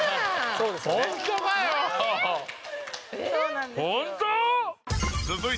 そうなんですよ。